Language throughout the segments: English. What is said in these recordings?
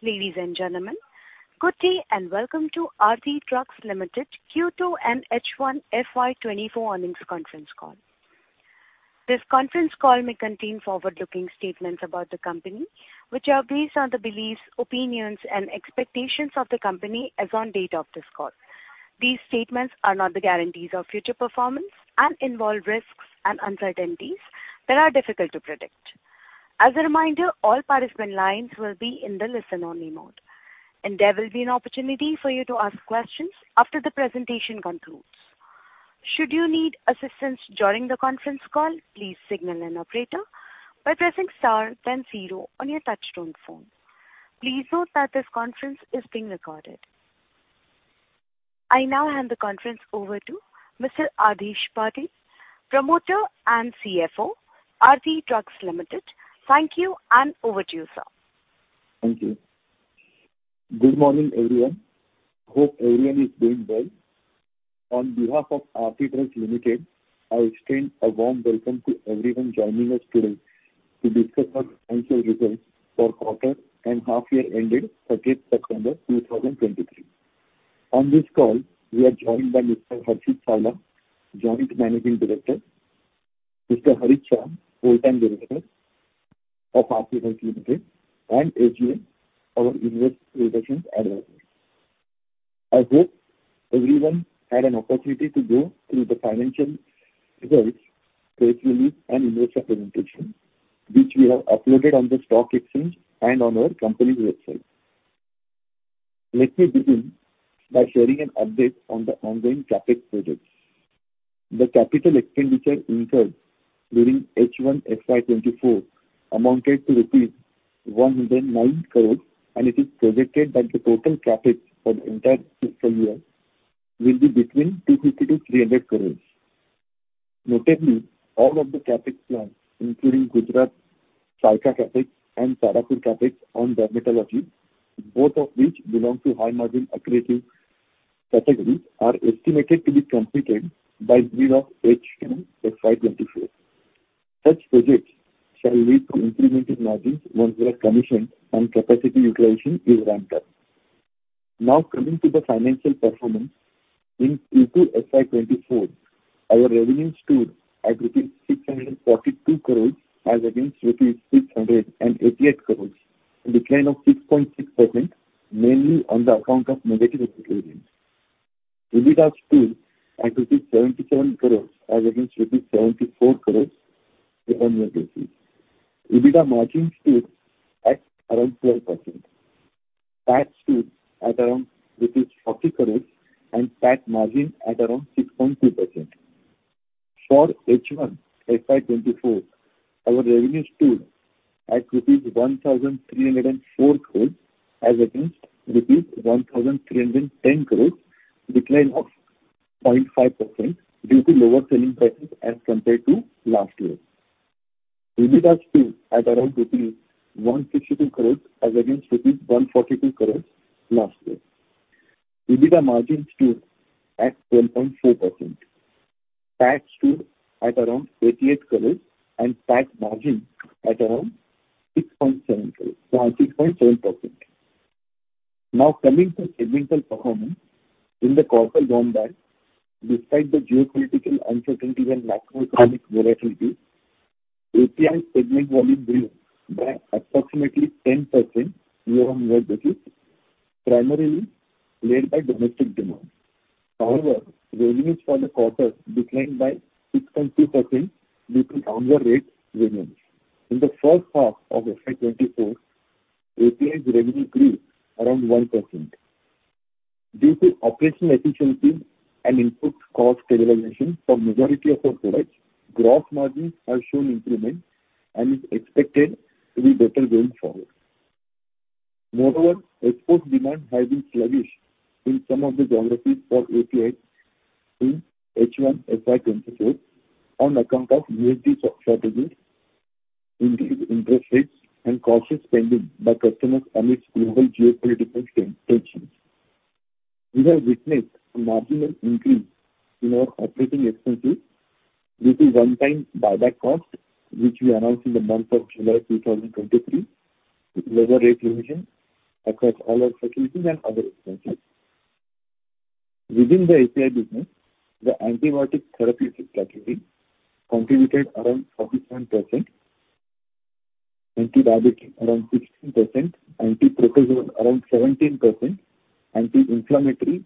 Ladies and gentlemen, good day, and welcome to Aarti Drugs Limited Q2 and H1 FY 2024 Earnings Conference Call. This conference call may contain forward-looking statements about the company, which are based on the beliefs, opinions, and expectations of the company as on date of this call. These statements are not the guarantees of future performance and involve risks and uncertainties that are difficult to predict. As a reminder, all participant lines will be in the listen-only mode, and there will be an opportunity for you to ask questions after the presentation concludes. Should you need assistance during the conference call, please signal an operator by pressing star then zero on your touchtone phone. Please note that this conference is being recorded. I now hand the conference over to Mr. Adhish Patil, Promoter and CFO, Aarti Drugs Limited. Thank you, and over to you, sir. Thank you. Good morning, everyone. Hope everyone is doing well. On behalf of Aarti Drugs Limited, I extend a warm welcome to everyone joining us today to discuss our financial results for quarter and half year ended September 2023. On this call, we are joined by Mr. Harshit Savla, Joint Managing Director; Mr. Harit Shah, Full-time Director of Aarti Drugs Limited; and HNA, our Investor Relations Advisor. I hope everyone had an opportunity to go through the financial results, press release, and investor presentation, which we have uploaded on the stock exchange and on our company website. Let me begin by sharing an update on the ongoing CapEx projects. The capital expenditure incurred during H1 FY 2024 amounted to rupees 109 crore, and it is projected that the total CapEx for the entire fiscal year will be between 250 crore-300 crore. Notably, all of the CapEx plans, including Gujarat, Saykha CapEx, and Tarapur CapEx on dermatology, both of which belong to high-margin accretive categories, are estimated to be completed by the end of H1 FY 2024. Such projects shall lead to increment in margins once they are commissioned and capacity utilization is ramped up. Now coming to the financial performance. In Q2 FY 2024, our revenues stood at rupees 642 crore as against rupees 688 crore, a decline of 6.6%, mainly on the account of negative equations. EBITDA stood at rupees 77 crore as against rupees 74 crore on year basis. EBITDA margin stood at around 12%. PAT stood at around rupees 40 crore and PAT margin at around 6.2%. For H1 FY 2024, our revenues stood at rupees 1,304 crore as against rupees 1,310 crore, decline of 0.5% due to lower selling prices as compared to last year. EBITDA stood at around 162 crore as against 142 crore last year. EBITDA margin stood at 12.4%. PAT stood at around 88 crore and PAT margin at around 6.7%. Now, coming to segment performance, in the quarter gone by, despite the geopolitical uncertainty and macroeconomic volatility, API segment volume grew by approximately 10% year-on-year basis, primarily led by domestic demand. However, revenues for the quarter declined by 6.2% due to lower rate volumes. In the first half of FY 2024, API's revenue grew around 1%. Due to operational efficiency and input cost stabilization for majority of our products, gross margins have shown improvement and is expected to be better going forward. Moreover, export demand has been sluggish in some of the geographies for API in H1 FY 2024 on account of U.S. dollar shortages, increased interest rates, and cautious spending by customers amidst global geopolitical tensions. We have witnessed a marginal increase in our operating expenses due to one-time buyback cost, which we announced in the month of July 2023, with lower rate inflation across all our facilities and other expenses. Within the API business, the antibiotic therapeutic category contributed around 41%, antidiabetic, around 16%, antiprotozoal, around 17%, anti-inflammatory,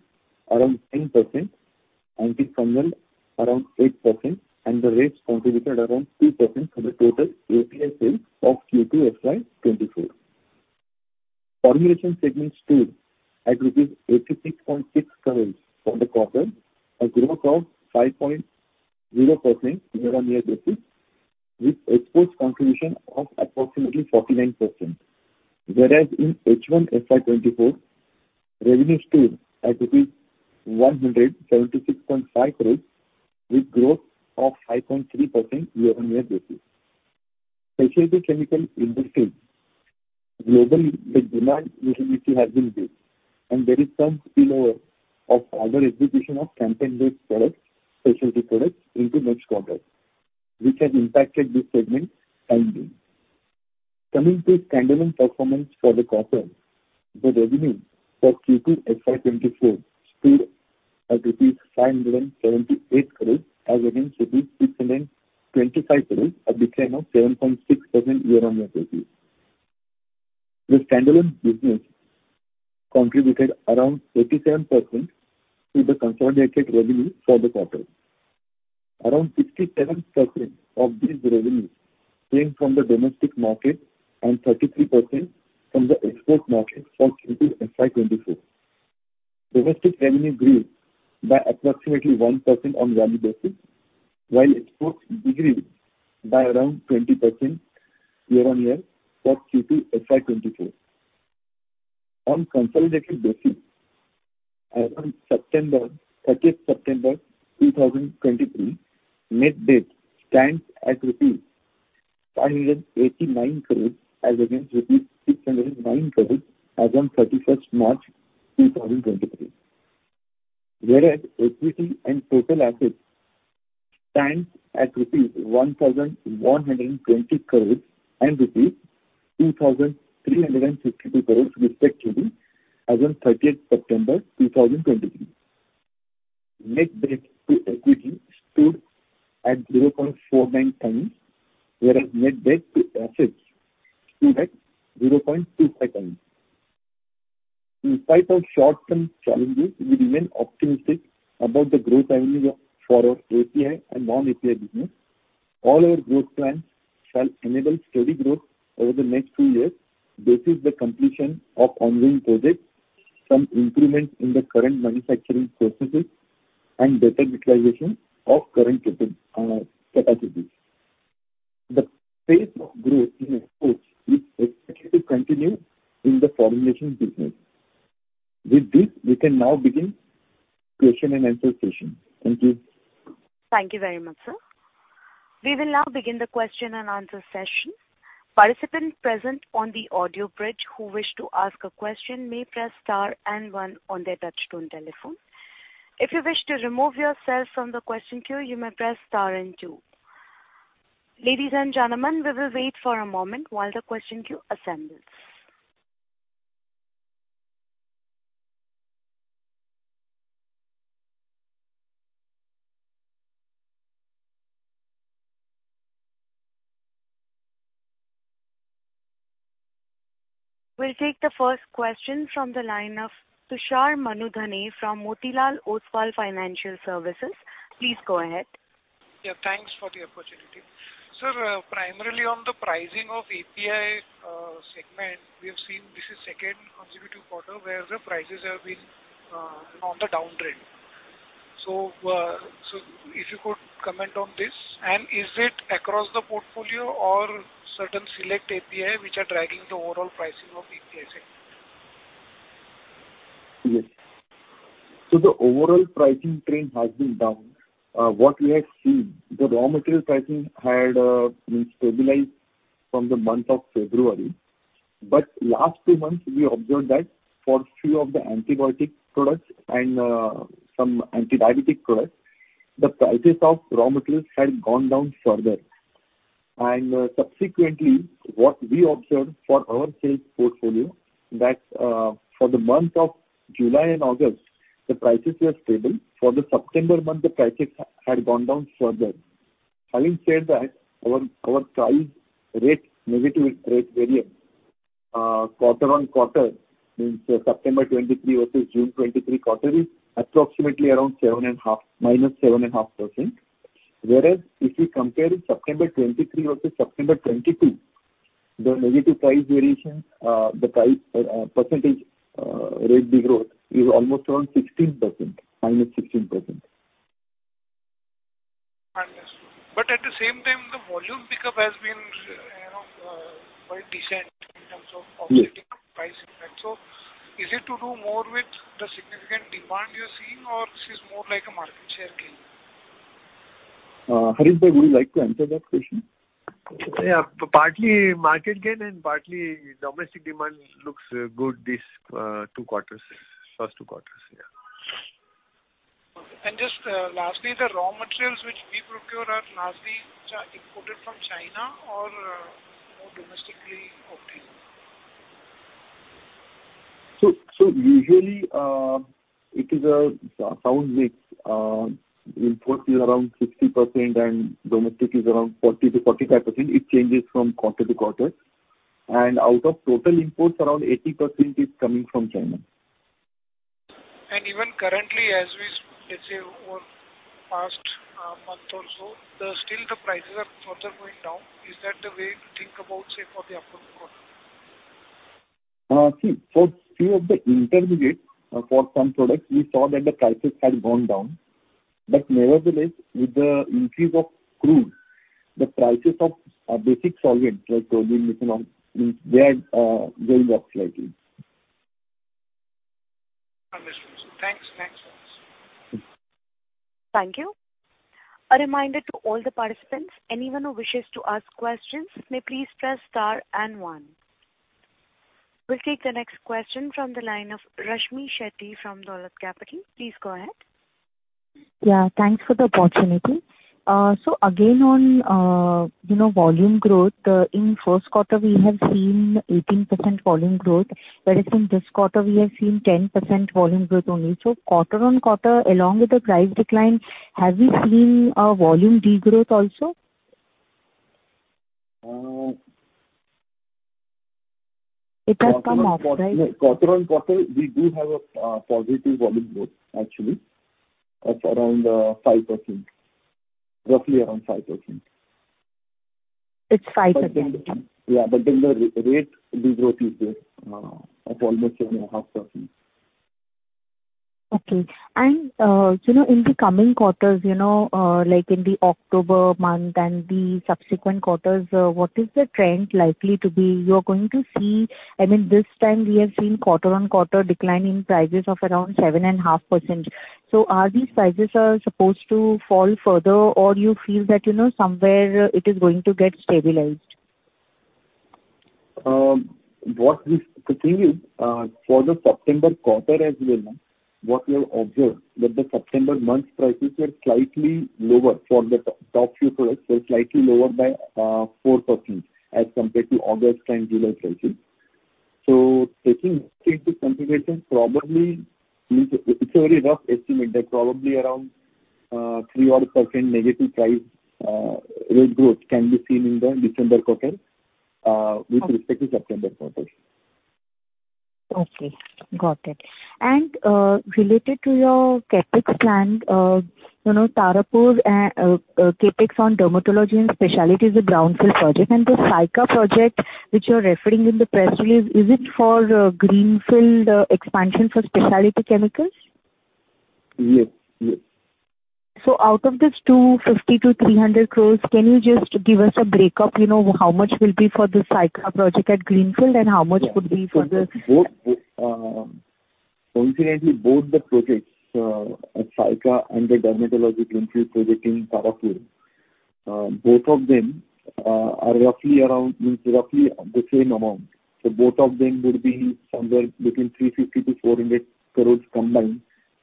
around 10%, antifungal, around 8%, and the rest contributed around 2% for the total API sales of Q2 FY 2024. Formulation segment stood at rupees 86.6 crore for the quarter, a growth of 5.0% year-on-year basis, with exports contribution of approximately 49%. Whereas in H1 FY 2024, revenue stood at 176.5 crore, with growth of 5.3% year-on-year basis. Specialty chemical industry, globally, the demand recently has been built, and there is some spillover of our execution of campaign-based products, specialty products into next quarter, which has impacted this segment timing. Coming to standalone performance for the quarter, the revenue for Q2 FY 2024 stood at INR 578 crore, as against INR 625 crore, a decline of 7.6% year-on-year basis. The standalone business contributed around 37% to the consolidated revenue for the quarter. Around 67% of this revenue came from the domestic market and 33% from the export market for Q2 FY 2024. Domestic revenue grew by approximately 1% on value basis, while exports decreased by around 20% year-on-year for Q2 FY 2024. On consolidated basis, as on September, 09/30/2023, net debt stands at rupees 589 crore, as against rupees 609 crore as on 03/31/2023. Whereas equity and total assets stands at 1,120 crore and 2,362 crore respectively, as on 09/30/2023. Net debt to equity stood at 0.49x, whereas net debt to assets stood at 0.25x. In spite of short-term challenges, we remain optimistic about the growth avenues of, for our API and non-API business. All our growth plans shall enable steady growth over the next few years, basis the completion of ongoing projects, some improvements in the current manufacturing processes and better utilization of current capacities. The pace of growth in exports is expected to continue in the formulation business. With this, we can now begin question and answer session. Thank you. Thank you very much, sir. We will now begin the question and answer session. Participants present on the audio bridge who wish to ask a question may press star and one on their touch-tone telephone. If you wish to remove yourself from the question queue, you may press star and two. Ladies and gentlemen, we will wait for a moment while the question queue assembles. We'll take the first question from the line of Tushar Manudhane from Motilal Oswal Financial Services. Please go ahead. Yeah, thanks for the opportunity. Sir, primarily on the pricing of API segment, we have seen this is second consecutive quarter where the prices have been on the downtrend. If you could comment on this, and is it across the portfolio or certain select API which are driving the overall pricing of API segment? Yes. The overall pricing trend has been down. What we have seen, the raw material pricing had been stabilized from the month of February, but last two months, we observed that for few of the antibiotic products and some antidiabetic products, the prices of raw materials had gone down further. Subsequently, what we observed for our sales portfolio, that for the month of July and August, the prices were stable. For the September month, the prices had gone down further. Having said that, our price rate, negative rate variance, quarter-on-quarter, means September 2023 versus June 2023 quarter, is approximately around 7.5, -7.5%. Whereas, if you compare it September 2023 versus September 2022, the negative price variation, the price percentage rate growth is almost around 16%, -16%. I understand. At the same time, the volume pick-up has been, you know, quite decent in terms of. Yes. Price impact. Is it to do more with the significant demand you're seeing, or this is more like a market share gain? Harit, would you like to answer that question? Yeah, partly market gain and partly domestic demand looks good these two quarters, first two quarters. Yeah. Just lastly, the raw materials which we procure are largely imported from China or more domestically obtained? Usually, it is a sound mix. Import is around 60% and domestic is around 40%-45%. It changes from quarter to quarter, and out of total imports, around 80% is coming from China. Even currently, let's say, over past month or so, still the prices are further going down. Is that the way to think about, say, for the upcoming quarter? See, for few of the intermediates, for some products, we saw that the prices had gone down, but nevertheless, with the increase of crude, the prices of basic solvents like toluene, xylene, they are going up slightly. Understood. Thanks. Thanks once. Thank you. A reminder to all the participants, anyone who wishes to ask questions, may please press star and one. We'll take the next question from the line of Rashmi Shetty from Dolat Capital. Please go ahead. Yeah, thanks for the opportunity. Again, on, you know, volume growth, in first quarter, we have seen 18% volume growth, whereas in this quarter we have seen 10% volume growth only. Quarter-on-quarter, along with the price decline, have we seen a volume degrowth also? It has come up, right? Quarter-on-quarter, we do have a positive volume growth, actually, of around 5%, roughly around 5%. It's 5%. Yeah, but then the run-rate degrowth is there of almost 7.5%. Okay. You know, in the coming quarters, you know, like in the October month and the subsequent quarters, what is the trend likely to be? You're going to see... I mean, this time we have seen quarter-on-quarter decline in prices of around 7.5%. Are these prices supposed to fall further, or you feel that, you know, somewhere it is going to get stabilized? What we see is for the September quarter as well, what we have observed, that the September month prices were slightly lower. For the top few products, were slightly lower by 4% as compared to August and July prices. Taking these things into consideration, probably it's a very rough estimate, that probably around 3% odd negative price rate growth can be seen in the December quarter with respect to September quarter. Okay, got it. Related to your CapEx plan, you know, Tarapur CapEx on dermatology and specialty, the brownfield project, and the Sarigam project, which you're referring in the press release, is it for greenfield expansion for specialty chemicals? Yes. Yes. Out of this 250 crore-300 crore, can you just give us a breakup, you know, how much will be for the Sarigam project at greenfield, and how much would be for the? Both, coincidentally, both the projects at Sarigam and the dermatology greenfield project in Tarapur, both of them are roughly around, means roughly the same amount. Both of them would be somewhere between 350 crore-400 crore combined,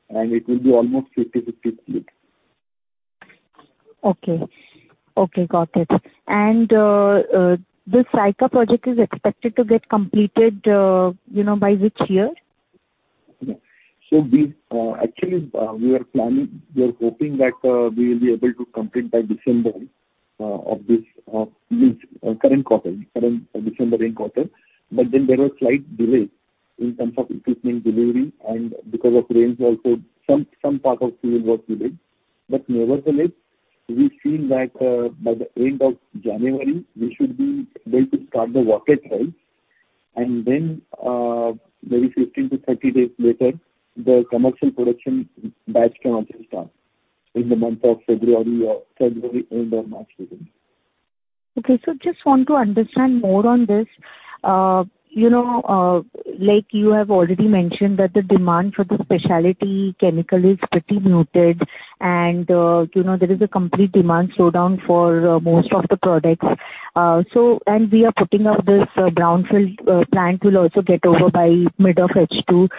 and it will be almost 50/50 split. Okay. Okay, got it. This Sarigam project is expected to get completed, you know, by which year? Yeah. Actually, we were planning, we were hoping that we will be able to complete by December of this, means, current quarter, current December-end quarter. There were slight delays in terms of equipment delivery, and because of rains also, some part of fieldwork delayed. Nevertheless, we've seen that by the end of January, we should be able to start the water trials. Maybe 15-30 days later, the commercial production batch can also start in the month of February or February, end of March even. Just want to understand more on this. You know, like you have already mentioned, that the demand for the specialty chemical is pretty muted, and you know, there is a complete demand slowdown for most of the products. We are putting out this brownfield plant will also get over by mid of H2.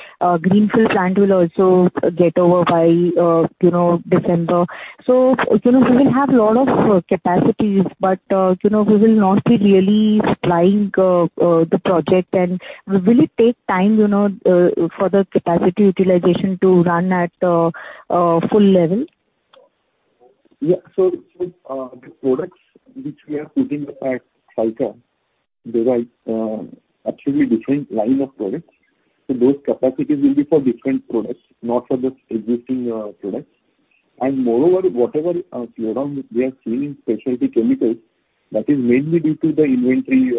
Greenfield plant will also get over by you know, December. You know, we will have a lot of capacities, but you know, we will not be really supplying the project. Will it take time, you know, for the capacity utilization to run at full level? Yeah. The products which we are putting up at Sarigam, they are actually different line of products. Those capacities will be for different products, not for the existing products. Moreover, whatever slowdown we are seeing in specialty chemicals, that is mainly due to the inventory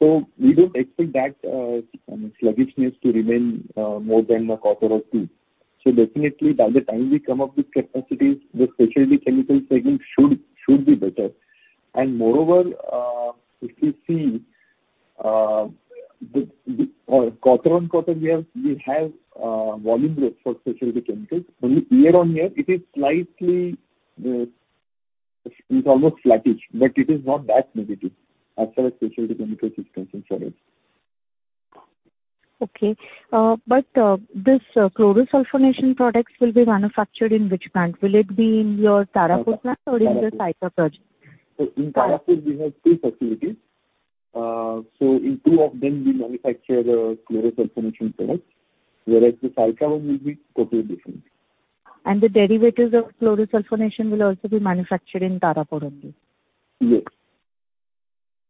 pileup. We don't expect that sluggishness to remain more than a quarter or two. Definitely, by the time we come up with capacities, the specialty chemicals segment should be better. Moreover, if you see the quarter-on-quarter, we have volume growth for specialty chemicals. Only year-on-year, it is slightly, it's almost sluggish, but it is not that negative as far as specialty chemicals is concerned for us. Okay. This chlorosulfonation products will be manufactured in which plant? Will it be in your Tarapur plant or in the Sarigam project? In Tarapur we have two facilities. In two of them, we manufacture the chlorosulfonation products, whereas the Sarigam one will be totally different. The derivatives of chlorosulfonation will also be manufactured in Tarapur only? Yes.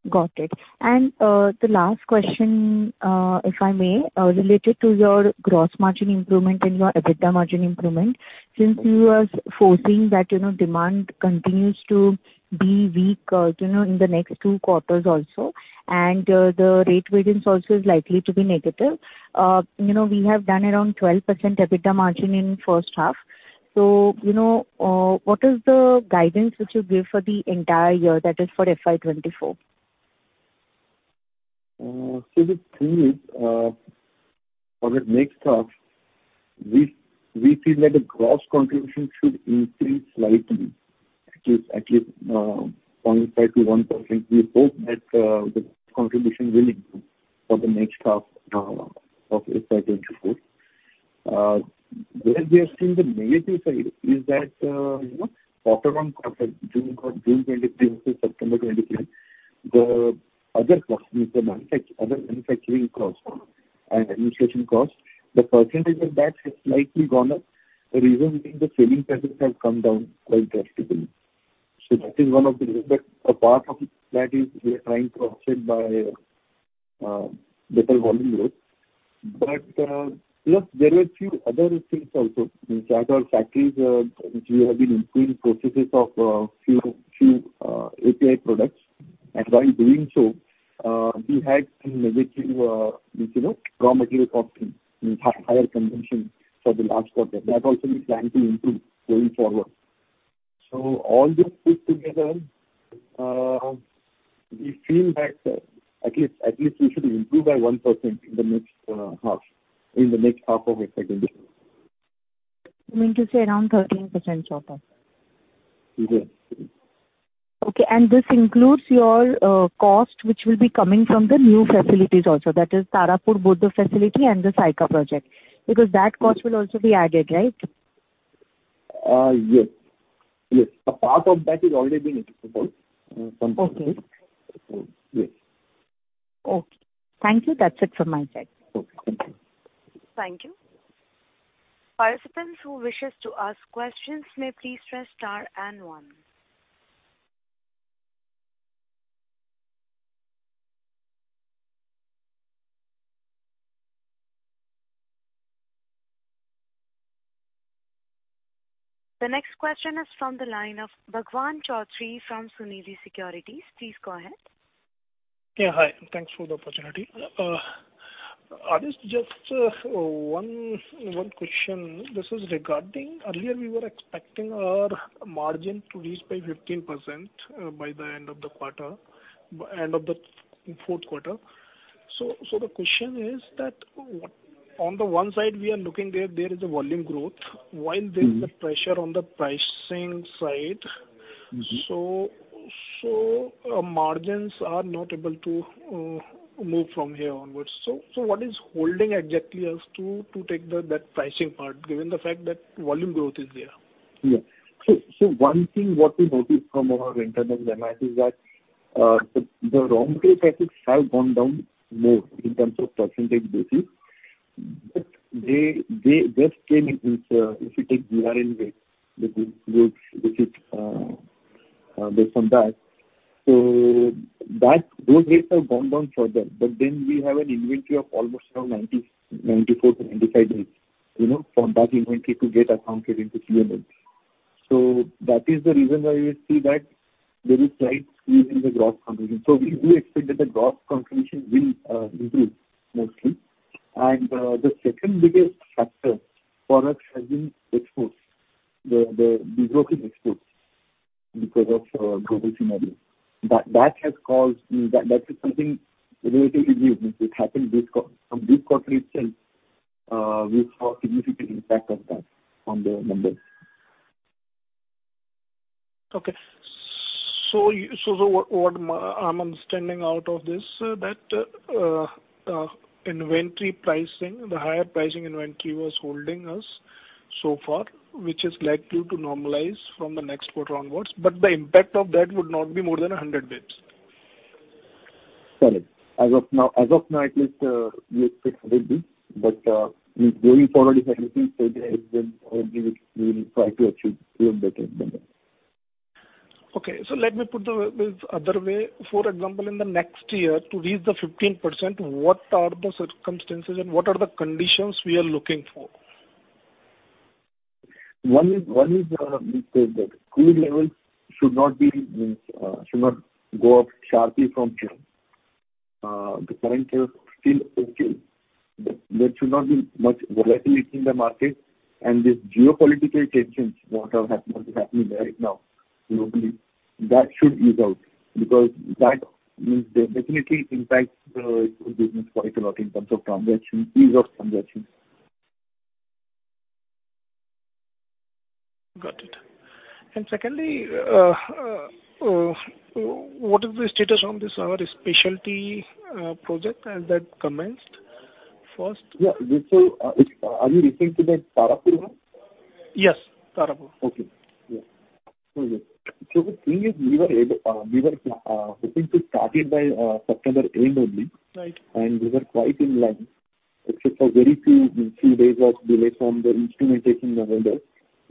Got it. The last question, if I may, related to your gross margin improvement and your EBITDA margin improvement. Since you are foreseen that, you know, demand continues to be weak, you know, in the next two quarters also, and the rate variance also is likely to be negative. You know, we have done around 12% EBITDA margin in first half. You know, what is the guidance which you give for the entire year, that is for FY 2024? The thing is, for the next half, we feel that the gross contribution should increase slightly, at least 0.5%-1%. We hope that the contribution will improve for the next half of FY 2024. Where we are seeing the negative side is that, you know, quarter-over-quarter, June 2023 to September 2023, the other costs, the other manufacturing costs and administration costs, the percentage of that has slightly gone up. The reason being the selling prices have come down quite drastically. That is one of the reasons. A part of that is we are trying to offset by better volume growth. Look, there were a few other things also. In fact, our factories, which we have been improving processes of, few API products. While doing so, we had some negative, you know, raw material costs, means higher consumption for the last quarter. That also we plan to improve going forward. All this put together, we feel that at least we should improve by 1% in the next half of FY 2024. You mean to say around 13% total? Yes. Okay. This includes your cost, which will be coming from the new facilities also, that is Tarapur, both the facility and the Sarigam project, because that cost will also be added, right? I'll just use the period. Okay. Yes. Okay. Thank you. That's it from my side. Okay. Thank you. Thank you. Participants who wishes to ask questions may please press star and one. The next question is from the line of Bhagwan Chaudhary from Sunidhi Securities. Please go ahead. Yeah, hi, and thanks for the opportunity. Just one question. This is regarding earlier, we were expecting our margin to reach by 15% by the end of the quarter, end of the fourth quarter. The question is that what, on the one side, we are looking there, there is a volume growth, while there- Mm-hmm. Is a pressure on the pricing side. Mm-hmm. Margins are not able to move from here onwards. What is holding exactly us to take that pricing part, given the fact that volume growth is there? Yeah. One thing what we noticed from our internal analysis is that the raw material prices have gone down more in terms of percentage basis, but this came into, if you take GRN rates, which is goods, which is based on that. Those rates have gone down further, but then we have an inventory of almost around 90, 94-95 days, you know, for that inventory to get accounted into P&L. That is the reason why you see that there is slight squeeze in the gross contribution. We do expect that the gross contribution will improve mostly. The second biggest factor for us has been exports. The broken exports because of global scenario. That has caused, that is something relatively new, which happened this quarter. From this quarter itself, we saw significant impact of that on the numbers. Okay. What I'm understanding out of this, that inventory pricing, the higher pricing inventory was holding us so far, which is likely to normalize from the next quarter onwards, but the impact of that would not be more than 100 basis points. Correct. As of now, as of now, at least, we expect 100 basis points, but going forward, if everything stays as then, we will try to achieve even better than that. Okay. Let me put this other way. For example, in the next year, to reach the 15%, what are the circumstances and what are the conditions we are looking for? One is, the crude levels should not go up sharply from here. The current levels are still okay. There should not be much volatility in the market. The geopolitical tensions, what are happening right now, globally, that should ease out, because that means they definitely impact business quite a lot in terms of transaction, ease of transactions. Got it. Secondly, what is the status on this, our specialty project? Has that commenced first? Yeah. Are you referring to the Tarapur one? Yes, Tarapur. Okay. Yes. The thing is, we were hoping to start it by September end only. Right. We were quite in line, except for very few, few days of delay from the instrumentation vendor.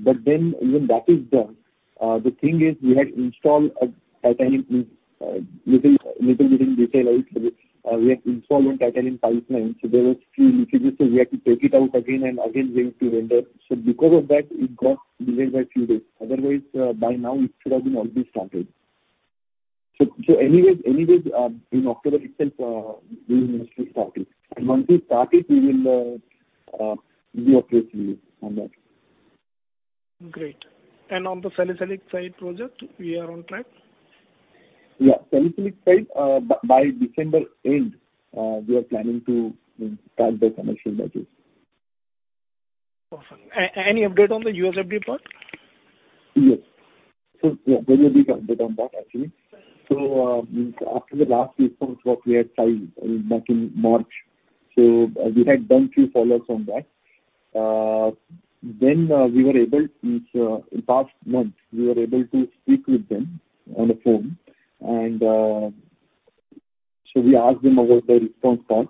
When that is done, the thing is, we had to install a titanium, little, little bit in detail. We had to install one titanium pipeline, so there were few leakages, so we had to take it out again and again send to vendor. Because of that, it got delayed by a few days. Otherwise, by now it should have been already started. Anyways, anyways, in October itself, we will mostly start it. Once we start it, we will give update to you on that. Great. On the Salicylic Acid project, we are on track? Yeah, Salicylic Acid, by December end, we are planning to start the commercial batches. Awesome. Any update on the USFDA part? Yes. Yeah, very big update on that, actually. After the last response what we had filed back in March, so we had done few follow-ups on that. In past month, we were able to speak with them on the phone. We asked them about the response part.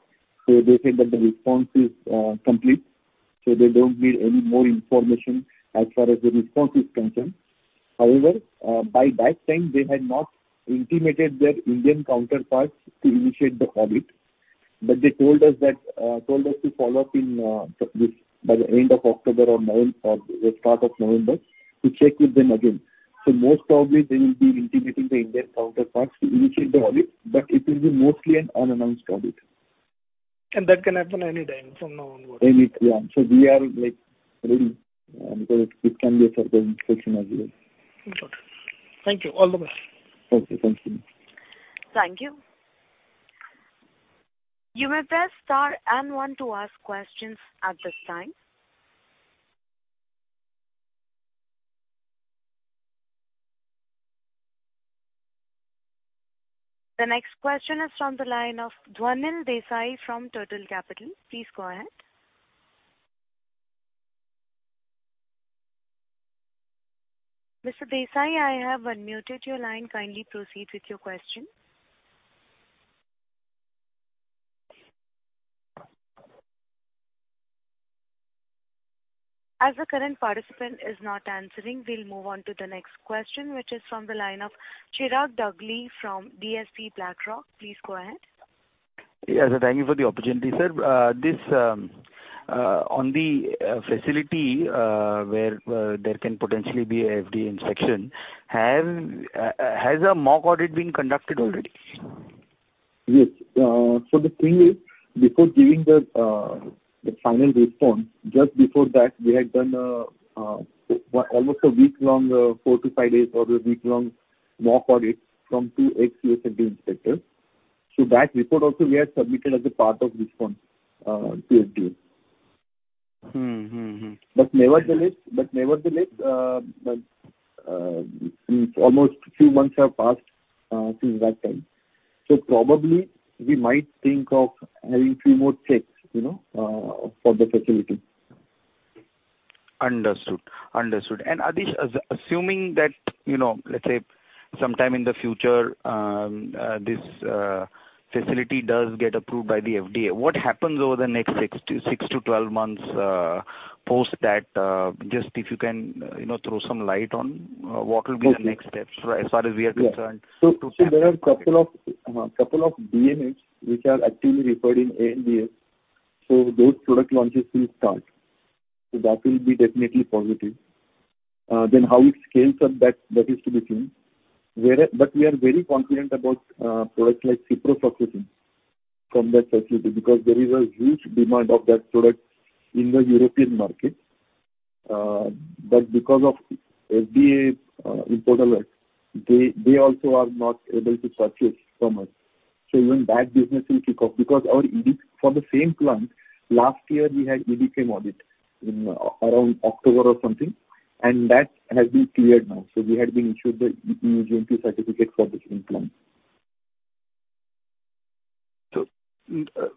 They said that the response is complete, so they don't need any more information as far as the response is concerned. However, by that time, they had not intimated their Indian counterparts to initiate the audit. They told us to follow up in this, by the end of October or the start of November, to check with them again. Most probably they will be intimating the Indian counterparts to initiate the audit, but it will be mostly an unannounced audit. That can happen anytime from now onward? Anytime. Yeah, so we are, like, ready because it can be a surprise inspection as well. Understood. Thank you. All the best. Okay, thank you. Thank you. You may press star and one to ask questions at this time. The next question is from the line of Dhwanil Desai from Turtle Capital. Please go ahead. Mr. Desai, I have unmuted your line, kindly proceed with your question. As the current participant is not answering, we'll move on to the next question, which is from the line of Chirag Dugli from DSP BlackRock. Please go ahead. Yes, thank you for the opportunity, sir. On the facility where there can potentially be a FDA inspection, has a mock audit been conducted already? Yes. The thing is, before giving the final response, just before that, we had done almost a week-long, 4-5 days or a week-long mock audit from two ex-FDA inspectors. That report also we had submitted as a part of response to FDA. Mm-hmm, mm-hmm. Nevertheless, almost a few months have passed since that time. Probably we might think of having few more checks, you know, for the facility. Understood. Understood. Adhish, assuming that, you know, let's say sometime in the future, this facility does get approved by the FDA, what happens over the next 6-12 months post that? Just if you can, you know, throw some light on what will be the next steps as far as we are concerned? There are a couple of DMFs which are actually referred in ANDAs, so those product launches will start. That will be definitely positive. Then how it scales up, that is to be seen. We are very confident about products like Ciprofloxacin from that facility, because there is a huge demand of that product in the European market. Because of FDA import alert, they also are not able to purchase from us. Even that business will kick off, because our EDQM for the same plant, last year we had EDQM audit in around October or something, and that has been cleared now. We had been issued the E.U. GMP certificate for the same plant.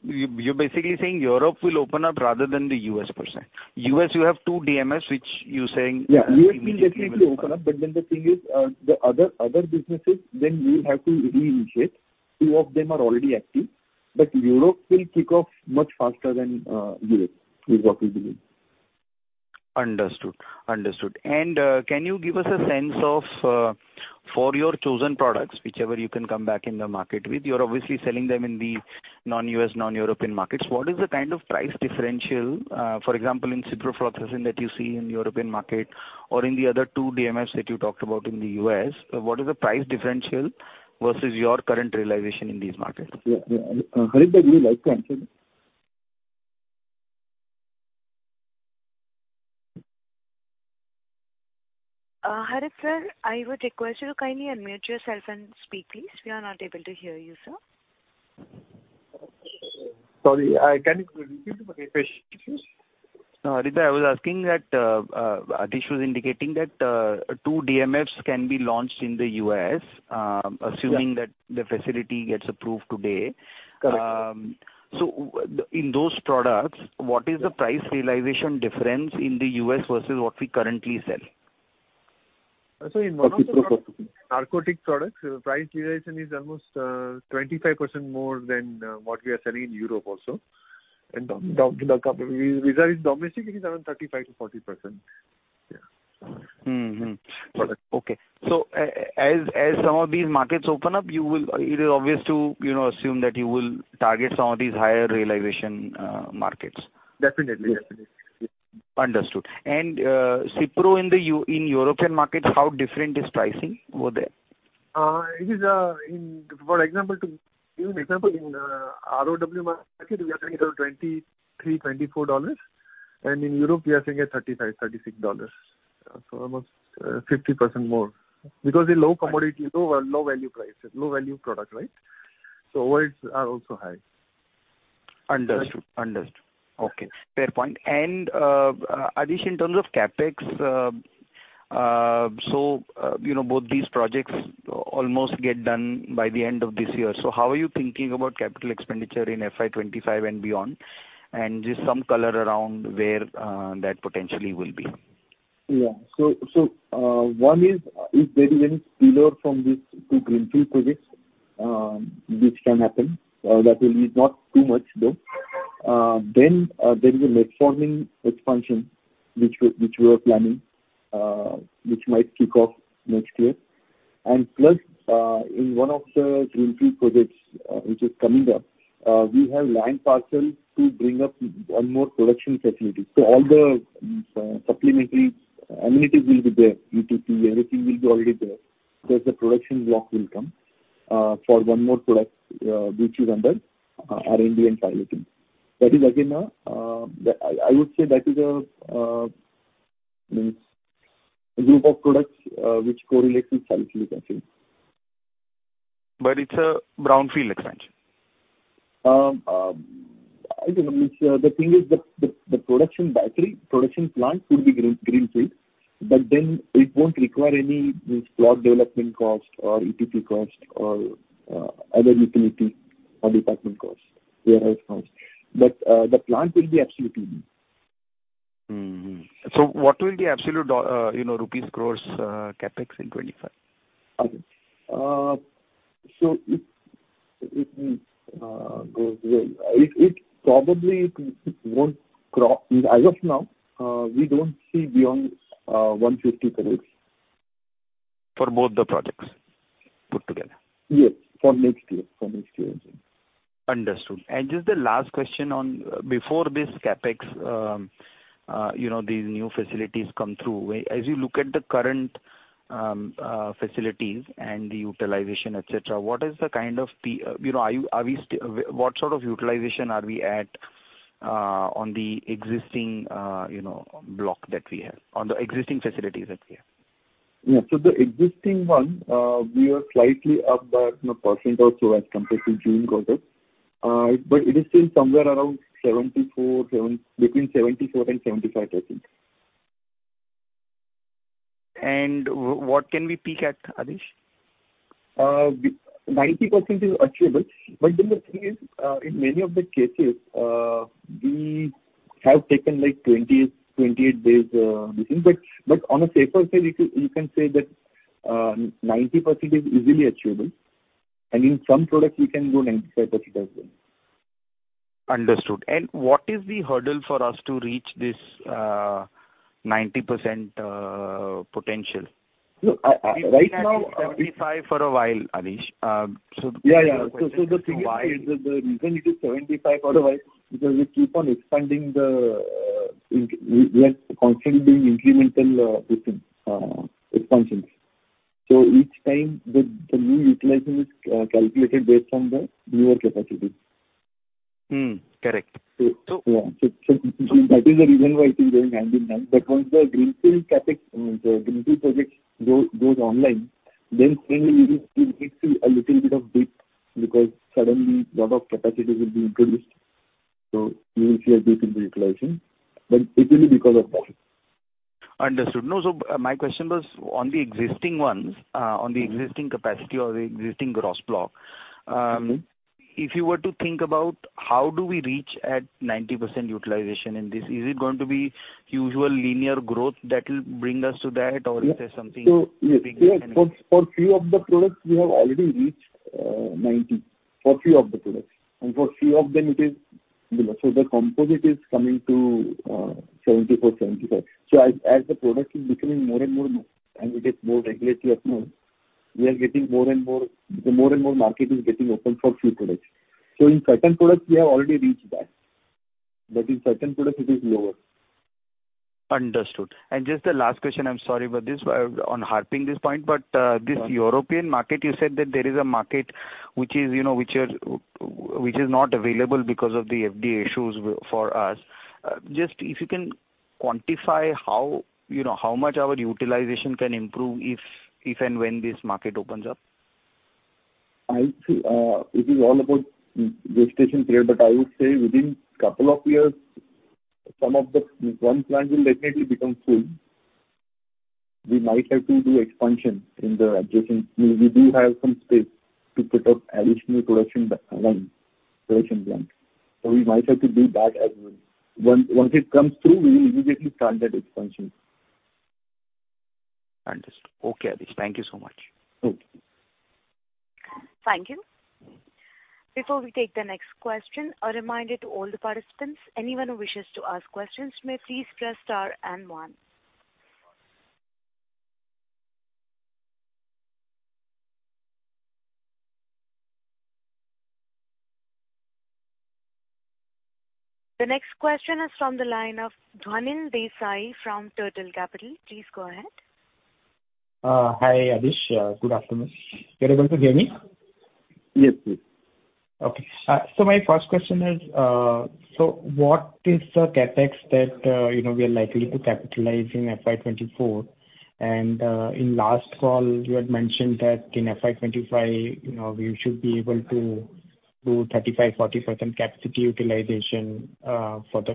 You're basically saying Europe will open up rather than the U.S. per se. U.S., you have 2 DMFs, which you're saying- Yeah, U.S. will definitely open up, but then the thing is, the other businesses, then we will have to reinitiate. Two of them are already active, but Europe will kick off much faster than U.S., is what we believe. Understood. Understood. Can you give us a sense of for your chosen products, whichever you can come back in the market with, you're obviously selling them in the non-U.S., non-European markets? What is the kind of price differential, for example, in Ciprofloxacin that you see in European market or in the other two DMFs that you talked about in the U.S.? What is the price differential versus your current realization in these markets? Yeah, yeah. Harit, would you like to answer this? Harit sir, I would request you to kindly unmute yourself and speak, please. We are not able to hear you, sir. Sorry, I can repeat the question, please. No, Harit, I was asking that Adhish was indicating that 2 DMFs can be launched in the U.S. Yeah. Assuming that the facility gets approved today. Correct. In those products, what is the price realization difference in the U.S. versus what we currently sell? In one of the narcotic products, the price realization is almost 25% more than what we are selling in Europe also. These are in domestic, it is around 35%-40%. Yeah. Mm-hmm. Okay. As some of these markets open up, it is obvious to, you know, assume that you will target some of these higher realization markets. Definitely. Definitely. Yeah. Understood. Cipro in the European market, how different is pricing over there? It is, for example, to give you an example, in ROW market, we are doing around $23-$24, and in Europe, we are saying at $35-$36. Almost 50% more. Because the low-commodity, low-value price, low-value product, right? Overheads are also high. Understood. Understood. Okay, fair point. Adhish, in terms of CapEx, so, you know, both these projects almost get done by the end of this year. How are you thinking about capital expenditure in FY 2025 and beyond? Just some color around where that potentially will be. Yeah. One is there is any spillover from this two greenfield projects which can happen, that will be not too much, though. There is a Metformin expansion which we are planning, which might kick off next year. Plus, in one of the greenfield projects which is coming up, we have land parcel to bring up one more production facility. All the supplementary amenities will be there. ETP, everything will be already there. There's a production block will come for one more product which is under R&D and piloting. That is again a, I would say that is a means a group of products which correlates with piloting, I think. But it's a brownfield expansion? I think the thing is the production battery, production plant will be greenfield, but then it won't require any means plot development cost or ETP cost or other utility or department costs, warehouse costs. The plant will be absolutely new. Mm-hmm. What will be absolute, you know, rupees crores CapEx in 2025? It goes well. It probably won't cross. As of now, we don't see beyond 150 crore. For both the projects put together? Yes, for next year. For next year, yes. Understood. Just the last question on before this CapEx, you know, these new facilities come through. As you look at the current facilities and the utilization, et cetera, you know, what sort of utilization are we at on the existing, you know, block that we have, on the existing facilities that we have? Yeah. The existing one, we are slightly up by a% or so as compared to June quarter. But it is still somewhere around 74, between 74% and 75%. What can we peak at, Adhish? you can say that 90% is easily achievable, and in some products we can go 95% as well. Understood. What is the hurdle for us to reach this 90% potential? Look, right now. 75 for a while, Adhish. Yeah, yeah. So why? The thing is, the reason it is 75 for a while, because we keep on expanding, we are constantly doing incremental within expansions. Each time the new utilization is calculated based on the newer capacity. Hmm, correct. Yeah. That is the reason why it is going hand in hand. But once the greenfield CapEx, the greenfield projects goes online, then finally it will see a little bit of dip, because suddenly lot of capacity will be introduced. You will see a dip in the utilization, but it will be because of that. Understood. No, so my question was on the existing ones, on the existing capacity or the existing gross block. If you were to think about how do we reach at 90% utilization in this? Is it going to be usual linear growth that will bring us to that? Is there something- Yes, yes. For few of the products, we have already reached 90. For few of the products and for few of them, it is below. The composite is coming to 74-75. As the product is becoming more and more known and it is more regularly known, we are getting more and more. The more and more market is getting open for few products. In certain products, we have already reached that, but in certain products it is lower. Understood. Just the last question, I'm sorry about this on harping this point, but this European market, you said that there is a market, you know, which is not available because of the FDA issues for us. Just if you can quantify, you know, how much our utilization can improve if and when this market opens up? I see, it is all about registration period, but I would say within couple of years, one plant will definitely become full. We might have to do expansion in the adjacent. We do have some space to put up additional production line, production plant. We might have to do that as well. Once it comes through, we will immediately start that expansion. Understood. Okay, Adhish. Thank you so much. Thank you. Thank you. Before we take the next question, a reminder to all the participants, anyone who wishes to ask questions may please press star and one. The next question is from the line of Dhwanil Desai from Turtle Capital. Please go ahead. Hi, Adhish. Good afternoon. You are able to hear me? Yes, please. Okay. My first question is, what is the CapEx that, you know, we are likely to capitalize in FY 2024? In last call you had mentioned that in FY 2025, you know, we should be able to do 35%-40% capacity utilization for the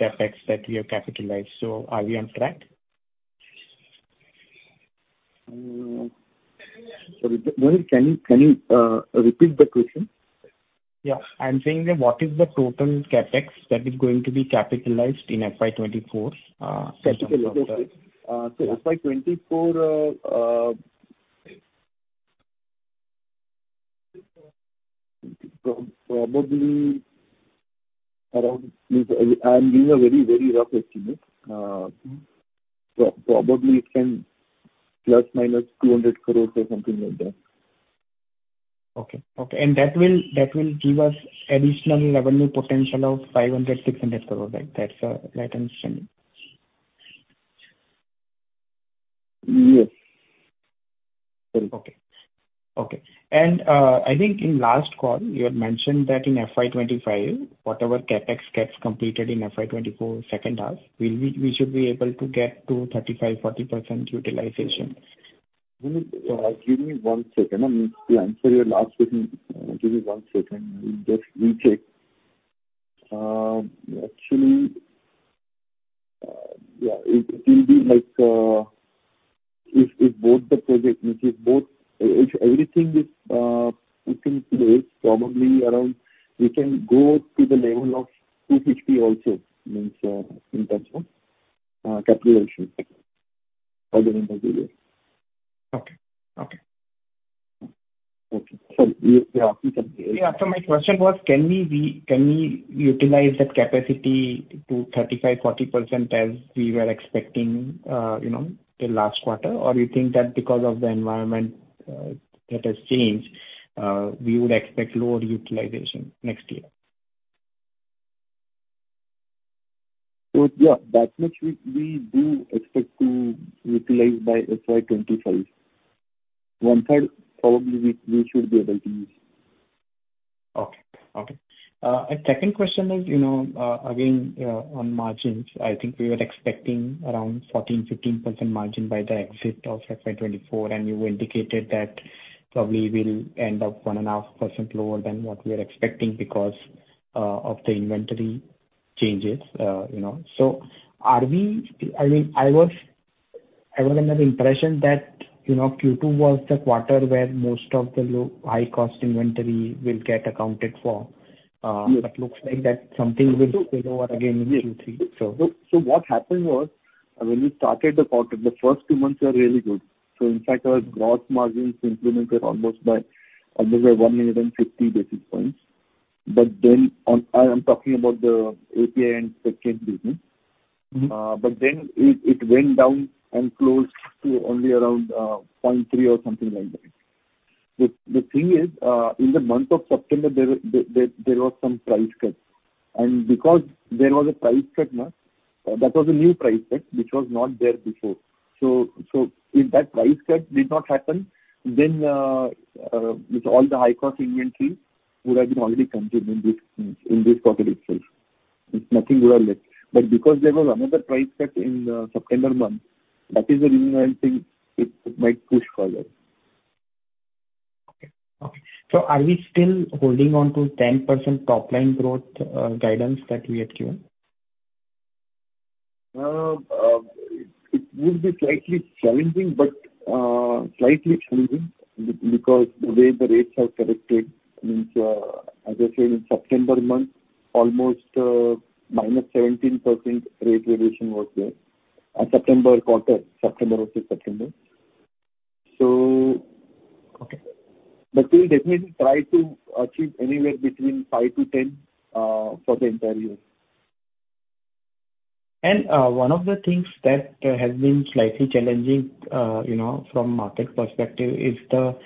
CapEx that we have capitalized. Are we on track? Sorry, Dhwanil, can you repeat the question? Yeah. I'm saying that what is the total CapEx that is going to be capitalized in FY 2024? FY 2024, probably around, I'm giving a very, very rough estimate. Probably it can plus minus 200 crore or something like that. Okay. Okay. That will give us additional revenue potential of 500 crore-600 crore, right? That's right understanding. Yes. Okay. Okay. I think in last call you had mentioned that in FY 2025, whatever CapEx gets completed in FY 2024 second half, we should be able to get to 35%-40% utilization. Give me one second. I mean, to answer your last question, give me one second. Let me just recheck. Actually, yeah, it will be like if both the project, everything is put in place, probably around we can go to the level of 250 also, means in terms of capitalization for the number. Okay. Okay. Okay. So you, yeah. Yeah, my question was, can we utilize that capacity to 35%-40% as we were expecting, you know, in last quarter? You think that because of the environment that has changed, we would expect lower utilization next year? Yeah, that much we do expect to utilize by FY 2025. 1/3, probably, we should be able to use. Okay. Okay. My second question is, you know, again on margins. I think we were expecting around 14%-15% margin by the exit of FY 2024, and you indicated that probably we'll end up 1.5% lower than what we are expecting because of the inventory changes, you know. I mean, I was under the impression that, you know, Q2 was the quarter where most of the low, high-cost inventory will get accounted for. Yes. Looks like that something will spill over again in Q3. What happened was, when we started the quarter, the first two months were really good. In fact, our gross margins implemented almost by another 150 basis points. Then on, I am talking about the API and second business. Mm-hmm. It went down and closed to only around 0.3 or something like that. The thing is, in the month of September, there was some price cut. Because there was a price cut, now, that was a new price cut, which was not there before. If that price cut did not happen, then with all the high-cost inventory would have been already contained in this quarter itself. Nothing would have left. Because there was another price cut in September month, that is the reason I think it might push further. Okay. Okay. Are we still holding on to 10% top-line growth guidance that we had given? It would be slightly challenging, but slightly challenging because the way the rates have corrected means, as I said, in September month, almost -17% rate reduction was there. September quarter, September of the second month. Okay. We'll definitely try to achieve anywhere between 5-10 for the entire year. One of the things that has been slightly challenging, you know, from market perspective, is the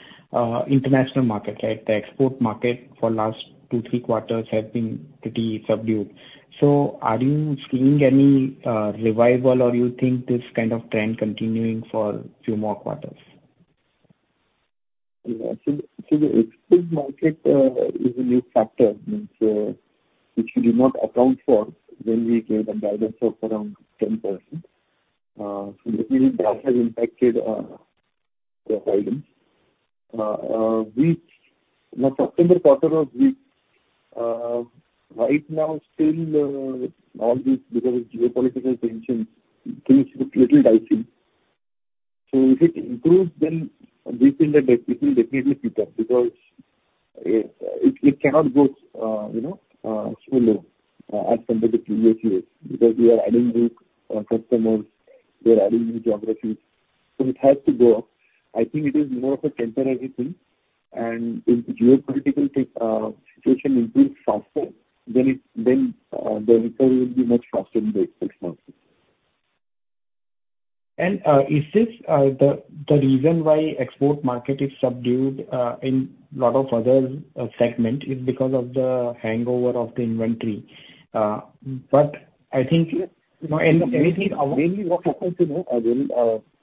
international market, right? The export market for last 2-3 quarters has been pretty subdued. Are you seeing any revival or you think this kind of trend continuing for a few more quarters? Yeah. The export market is a new factor, means which we did not account for when we gave a guidance of around 10%. That has impacted the guidance. The September quarter, right now, still all these because of geopolitical tensions, things look little dicey. If it improves, then we think that it will definitely pick up because it cannot go, you know, so low as compared to previous years. Because we are adding new customers, we are adding new geographies, so it has to go up. I think it is more of a temporary thing, and if geopolitical situation improves faster, then the recovery will be much faster in the export market. Is this the reason why export market is subdued in lot of other segment is because of the hangover of the inventory? I think, you know, and anything our- Mainly what happens, you know, again.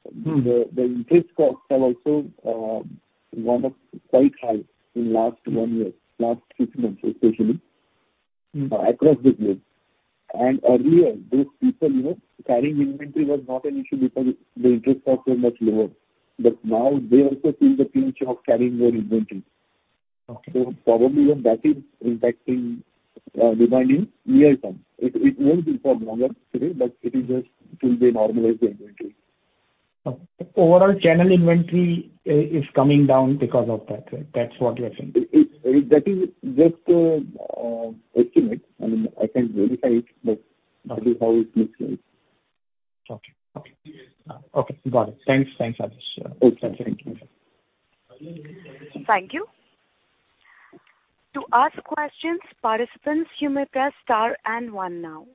Mm-hmm. The interest costs have also gone up quite high in last one year, last six months, especially. Mm-hmm. Across the globe. Earlier, those people, you know, carrying inventory was not an issue because the interest costs were much lower. Now they also feel the pinch of carrying their inventory. Okay. Probably even that is impacting demand in near term. It won't be for longer period, but it is just to normalize the inventory. Okay. Overall, channel inventory is coming down because of that, right? That's what you're saying. That is just estimate. I mean, I can't verify it, but that is how it looks like. Okay. Okay. Okay, got it. Thanks. Thanks, Adhish. Okay, thank you. Thank you. To ask questions, participants, you may press star and one now.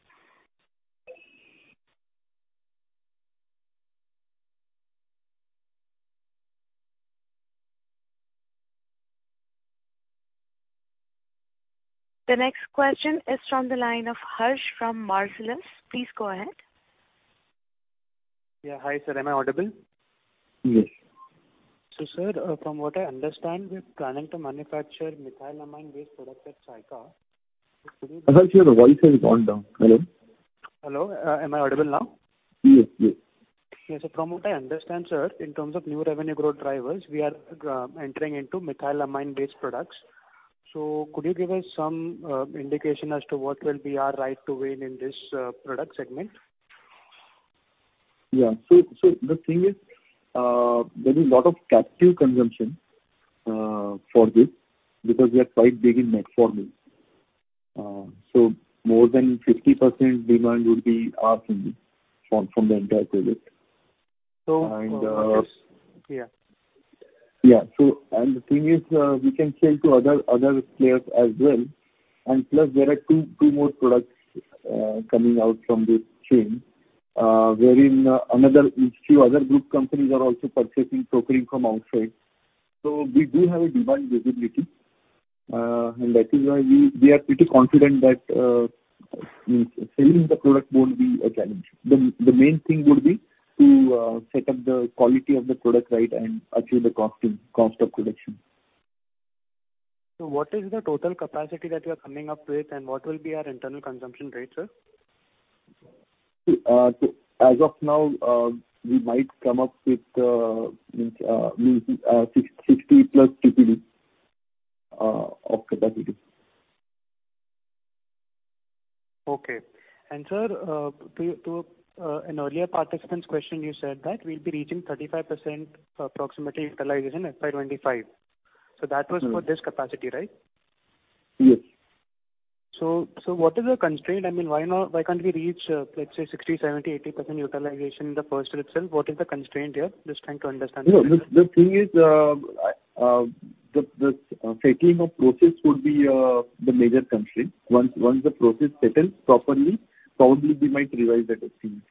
The next question is from the line of Harsh from Marcellus. Please go ahead. Yeah. Hi, sir. Am I audible? Yes. Sir, from what I understand, we're planning to manufacture methylamine-based product at Sarigam. Harsh, your voice has gone down. Hello? Hello, am I audible now? Yes, yes. Yes. From what I understand, sir, in terms of new revenue growth drivers, we are entering into methylamine-based products. Could you give us some indication as to what will be our right to win in this product segment? Yeah. The thing is, there is lot of captive consumption for this because we are quite big in Metformin. More than 50% demand would be our from the entire product. So- And, uh- Okay. Yeah. Yeah. The thing is, we can sell to other players as well, and plus there are two more products coming out from this chain, wherein another few other group companies are also purchasing, procuring from outside. We do have a demand visibility, and that is why we are pretty confident that selling the product won't be a challenge. The main thing would be to set up the quality of the product right and achieve the costing, cost of production. What is the total capacity that you are coming up with, and what will be our internal consumption rate, sir? As of now, we might come up with 60+ TPD of capacity. Okay. Sir, to an earlier participant's question, you said that we'll be reaching 35% approximately utilization in FY 2025. Mm. That was for this capacity, right? Yes. What is the constraint? I mean, why not, why can't we reach, let's say, 60%, 70%, 80% utilization in the first year itself? What is the constraint here? Just trying to understand. No, the thing is, the setting of process would be the major constraint. Once the process settles properly, probably we might revise that estimate.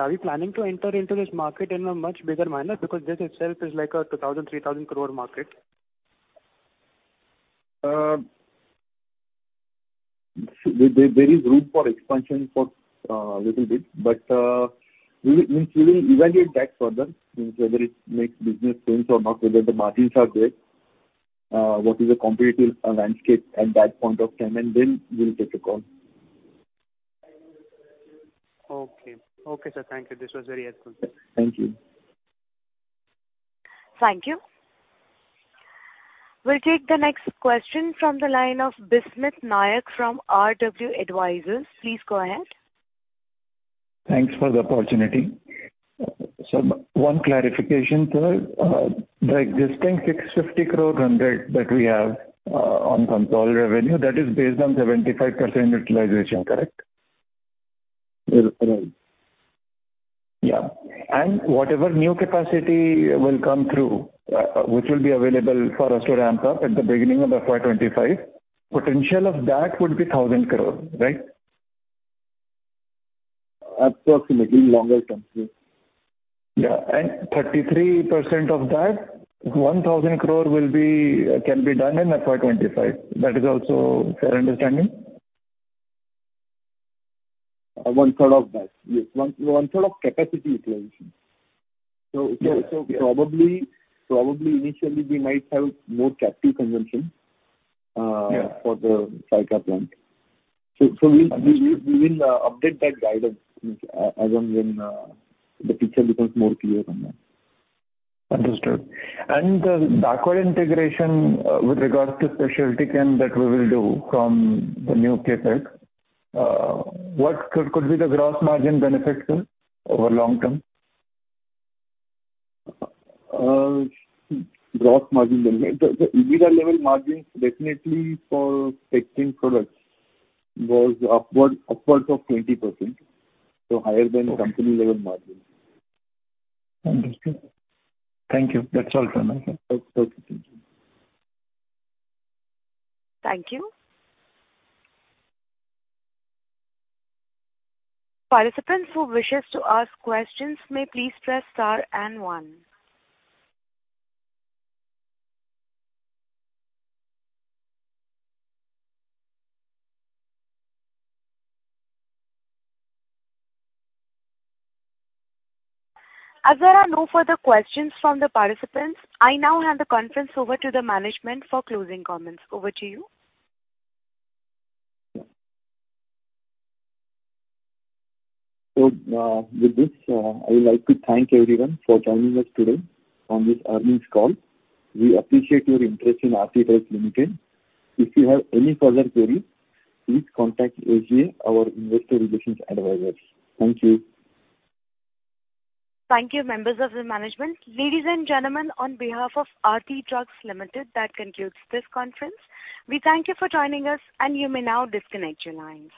Are we planning to enter into this market in a much bigger manner because this is 2,000 crore-3,000 crore market? There is room for expansion for little bit, but we will evaluate that further, whether it makes business sense or not, whether the margins are great, what is the competitive landscape at that point of time, and then we'll take a call. Okay. Okay, sir, thank you. This was very helpful. Thank you. Thank you. We'll take the next question from the line of Bismith Nayak from RW Advisors. Please go ahead. Thanks for the opportunity. One clarification, sir. The existing 650 crore hundred that we have on consolidated revenue, that is based on 75% utilization, correct? Yes, correct. Yeah. Whatever new capacity will come through, which will be available for us to ramp up at the beginning of FY 2025, potential of that would be 1,000 crore, right? Approximately, longer term, yes. And 33% of that 1,000 crore will be, can be done in FY 2025. 1/3 of that, yes.1/3 of capacity utilization. So- Yeah. Probably initially we might have more captive consumption. Yeah For the Sarigam plant. We will update that guidance as and when the picture becomes more clear on that. Understood. Backward integration with regards to specialty chem that we will do from the new CapEx, what could be the gross margin benefit, sir, over long term? Gross margin benefit. The EBITDA level margins definitely for existing products was upward, upwards of 20%, so higher than company level margins. Understood. Thank you. That's all from my side. Okay. Thank you. Thank you. Participants who wishes to ask questions may please press star and one. As there are no further questions from the participants, I now hand the conference over to the management for closing comments. Over to you. With this, I would like to thank everyone for joining us today on this earnings call. We appreciate your interest in Aarti Drugs Limited. If you have any further queries, please contact HNA our investor relations advisors. Thank you. Thank you, members of the management. Ladies and gentlemen, on behalf of Aarti Drugs Limited, that concludes this conference. We thank you for joining us, and you may now disconnect your lines.